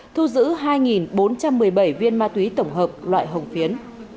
thu giữ hai bốn trăm một mươi bảy viên ma túy tổng hợp loại hồng phiến